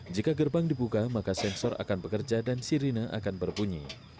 jika gerbang dibuka maka sensor akan bekerja dan sirine akan berbunyi